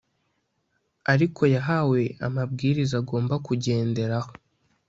ariko yahawe amabwiriza agomba kugenderaho